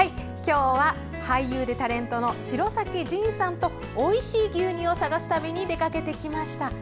今日は俳優でタレントの城咲仁さんとおいしい牛乳を探す旅に出かけてきました。